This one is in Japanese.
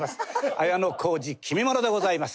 綾小路きみまろでございます。